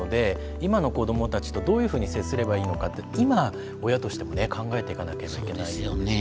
今の子どもたちとどういうふうに接すればいいのかって今親としてもね考えていかなければいけないですよね。